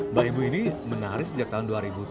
mbak ibu ini menarik sejak tahun dua ribu tujuh